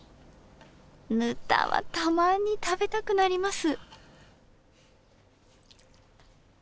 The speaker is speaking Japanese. ぬたはたまに食べたくなります。